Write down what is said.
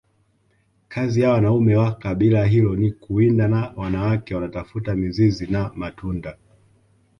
kazi ya Wanaume wa kabila hilo ni kuwinda na wanawake wanatafuta mizizi na matunda